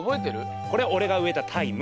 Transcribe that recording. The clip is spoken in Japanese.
これ俺が植えたタイム。